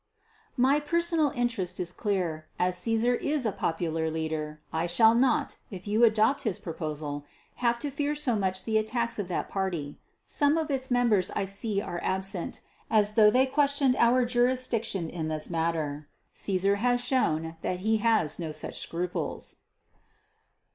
_My personal interest is clear. As Caesar is a popular leader, I shall not, if you adopt his proposal, have to fear so much the attacks of that party. Some of its members I see are absent, as though they questioned our jurisdiction in this matter. Caesar has shown that he has no such scruples.